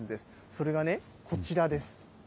それがね、こちらです。